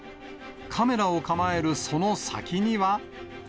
カメラを構えるその先には。